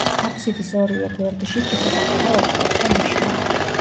აფსიდის ორივე გვერდში თითო პატარა ოთხკუთხა ნიშაა.